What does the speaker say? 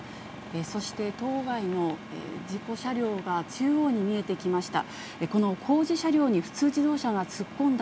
そして、当該の事故車両が中央に見えてきました。